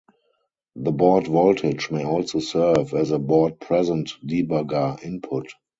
The board voltage may also serve as a "board present" debugger input.